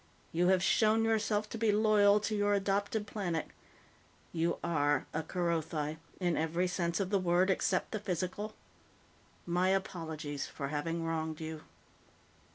You have shown yourself to be loyal to your adopted planet; you are a Kerothi in every sense of the word except the physical. My apologies for having wronged you."